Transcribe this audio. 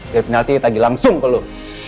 dari penalti tagi langsung ke lo